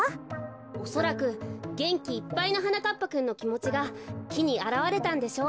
おそらくげんきいっぱいのはなかっぱくんのきもちがきにあらわれたんでしょう。